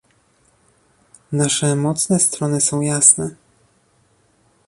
Nasze mocne strony są jasne